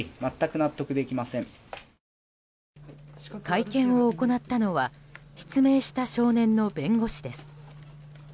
会見を行ったのは失明した少年の弁護士です。